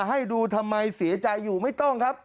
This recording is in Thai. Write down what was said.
ให้ดูทำไมเสียใจอยู่ไม่ต้องครับ